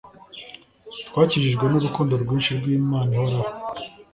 Twakijijwe n'urukundo rwinshi rw' Iman' ihoraho